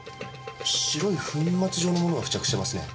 白い粉末状のものが付着してますね。